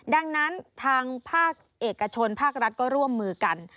ดังนั้นทางภาคเอกชนภาครัฐก็ร่วมมือกัน